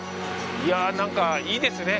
いや、なんかいいですね。